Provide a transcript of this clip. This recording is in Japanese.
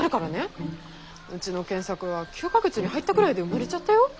うちの健作は９か月に入ったぐらいで生まれちゃったよ。